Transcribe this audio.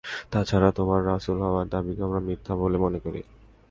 তা ছাড়া তোমার রাসূল হওয়ার দাবিকেও আমরা মিথ্যা বলে মনে করি।